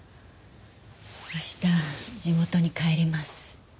明日地元に帰ります。